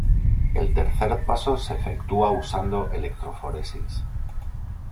El tercer paso se efectúa usando electroforesis.